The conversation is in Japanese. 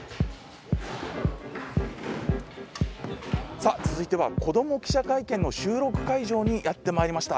さあ続いては「子ども記者会見」の収録会場にやってまいりました。